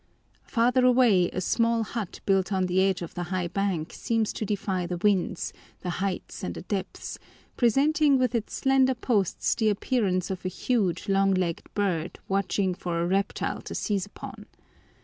Farther away, a small hut built on the edge of the high bank seems to defy the winds, the heights and the depths, presenting with its slender posts the appearance of a huge, long legged bird watching for a reptile to seize upon.